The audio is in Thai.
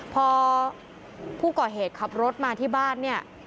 พอผู้ก่อเหตุขับรถมาที่บ้านเนี่ย